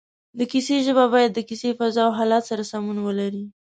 د کیسې ژبه باید د کیسې فضا او حالت سره سمون ولري